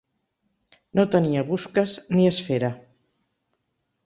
No tenia busques ni esfera.